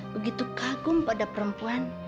begitu kagum pada perempuan